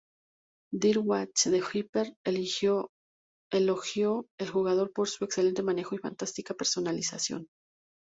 Dirk Watch de "Hyper" elogió el juego por su "excelente manejo y fantástica personalización".